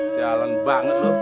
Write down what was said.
sialan banget lu